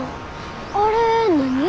あれ何？